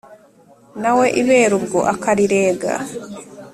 nawe ibere ubwo akarirega